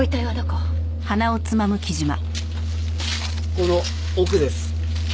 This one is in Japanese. この奥です。